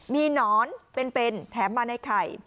มีหนอนเป็นแถมมาในไข่